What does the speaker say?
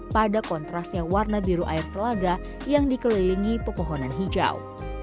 pada kontrasnya warna biru air telaga yang dikelilingi pepohonan hijau